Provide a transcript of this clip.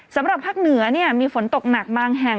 สำหรับภาคเหนือมีฝนตกหนักบางแห่ง